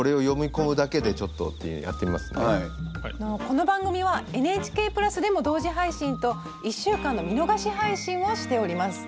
この番組はＮＨＫプラスでも同時配信と１週間の見逃し配信をしております。